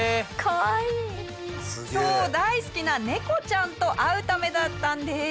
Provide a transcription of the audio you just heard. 下平：そう、大好きな猫ちゃんと会うためだったんです。